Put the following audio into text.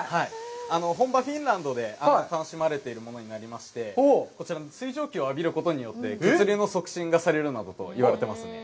本場のフィンランドで楽しまれているものになりまして、こちらの水蒸気を浴びることによって血流の促進がされるなどと言われてますね。